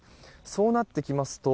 そうなってきますと